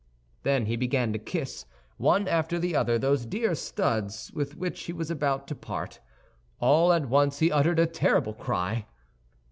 Then, he began to kiss, one after the other, those dear studs with which he was about to part. All at once he uttered a terrible cry.